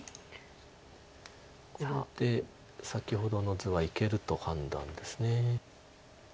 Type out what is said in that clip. これで先ほどの図はいけると判断です。